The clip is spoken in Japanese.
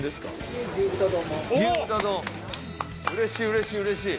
うれしいうれしい。